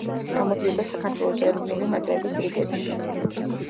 გამოდიოდა საქართველოს ეროვნული ნაკრების რიგებში.